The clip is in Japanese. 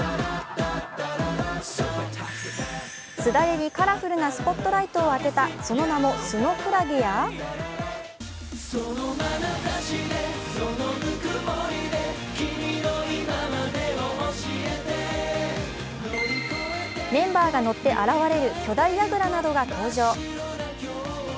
すだれにカラフルなスポットライトを当てたその名も、スノクラゲやメンバーが乗って現れる巨大やぐらなどが登場。